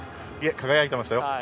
輝いてましたよ。